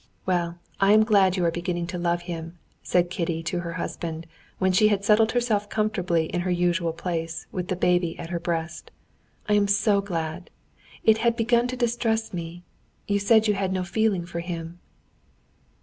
"Well, I am glad you are beginning to love him," said Kitty to her husband, when she had settled herself comfortably in her usual place, with the baby at her breast. "I am so glad! It had begun to distress me. You said you had no feeling for him."